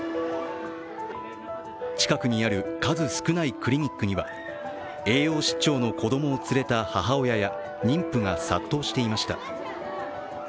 近くにある数少ないクリニックには栄養失調の子供を連れた母親や妊婦が殺到していました。